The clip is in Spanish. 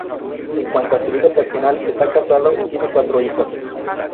En cuanto a su vida personal, está casado y tiene cuatro hijos.